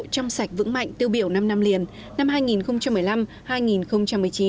trong sạch vững mạnh tiêu biểu năm năm liền năm hai nghìn một mươi năm hai nghìn một mươi chín